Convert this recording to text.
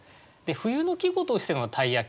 冬の季語としての「鯛焼」